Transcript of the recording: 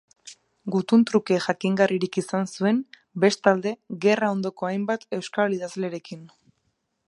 Gutun-truke jakingarririk izan zuen, bestalde, gerra ondoko hainbat euskal idazlerekin.